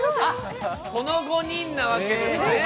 この５人なわけですね。